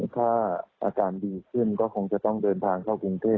ถ้าอาการดีขึ้นก็คงจะต้องเดินทางเข้ากรุงเทพ